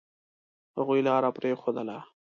هغوی لار پرېښودله.